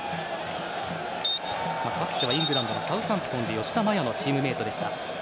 かつてはイングランドのサウサンプトンで吉田麻也のチームメートでした。